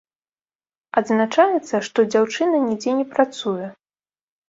Адзначаецца, што дзяўчына нідзе не працуе.